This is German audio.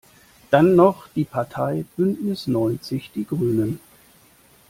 Dann noch die Partei Bündnis neunzig die Grünen.